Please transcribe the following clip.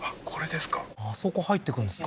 あそこ入っていくんですか？